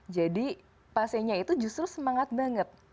jadi pasiennya itu justru semangat banget